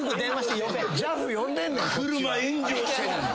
車炎上してんのに。